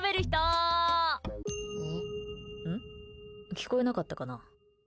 聞こえなかったかな。